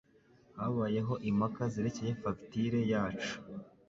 Habayeho impaka zerekeye fagitire yacu.